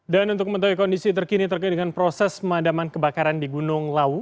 dan untuk mengetahui kondisi terkini terkait dengan proses madaman kebakaran di gunung lawu